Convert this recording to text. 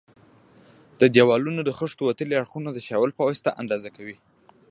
د دېوالونو د خښتو وتلي اړخونه د شاول په واسطه اندازه کوي.